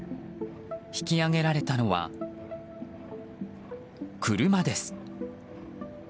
引き揚げられたのは車です。